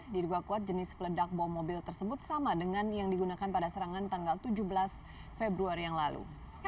diduga kuat jenis peledak bom mobil tersebut sama dengan yang digunakan pada serangan tanggal tujuh belas februari yang lalu